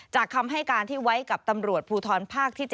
คำให้การที่ไว้กับตำรวจภูทรภาคที่๗